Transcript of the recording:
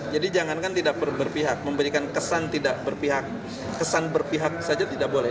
jadi jangankan tidak berpihak memberikan kesan tidak berpihak kesan berpihak saja tidak boleh